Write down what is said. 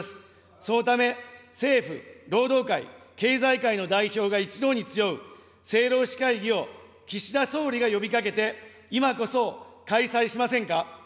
そのため、政府、労働界、経済界の代表が一堂に集う政労使会議を岸田総理が呼びかけて、今こそ開催しませんか。